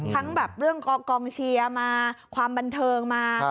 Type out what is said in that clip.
ทั้งแบบเรื่องกองเชียร์มาความบันเทิงมา